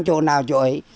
chỗ nào chỗ ấy